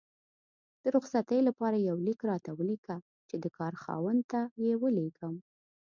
د رخصتي لپاره یو لیک راته ولیکه چې د کار خاوند ته یې ولیږم